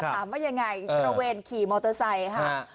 ว่ายังไงตระเวนขี่มอเตอร์ไซค์ค่ะ